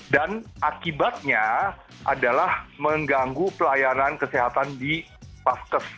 dan akibatnya adalah mengganggu pelayanan kesehatan di paskes